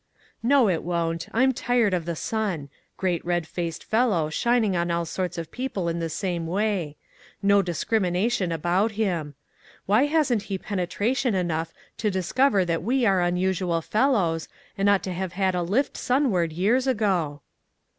"No, it won't; I'm tired of the sun; great red faced fellow, shining on all sorts of people in the same way. No discrimina tion about him. Why hasn't he penetration enough to discover that we are unusual fel lows, and ought to have had a lift sun ward years ago?"